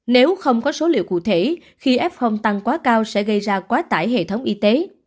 nếu không có số liệu cụ thể khi f tăng quá cao sẽ gây ra quá tải hệ thống y tế